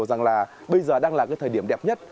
rằng là bây giờ đang là cái thời điểm đẹp nhất